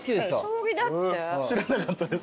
知らなかったです。